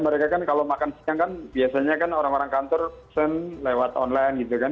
mereka kan kalau makan siang kan biasanya kan orang orang kantor pesen lewat online gitu kan